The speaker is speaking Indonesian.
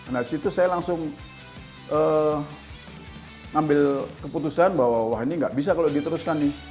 nah disitu saya langsung ambil keputusan bahwa ini nggak bisa kalau diteruskan nih